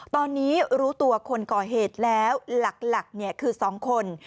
ตอนนี้รู้ตัวคนก่อเหตุแล้วหลักคือ๒คน